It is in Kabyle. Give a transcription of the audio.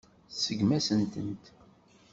Tseggem-asent-tent.